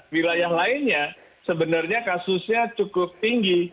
wilayah lainnya sebenarnya kasusnya cukup tinggi